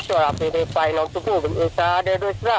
สวัสดีครับสวัสดีครับสวัสดีครับ